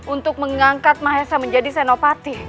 untuk mengangkat mahesa menjadi senopati